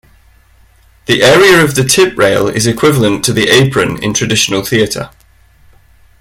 The area of the tip rail is equivalent to the apron in traditional theatre.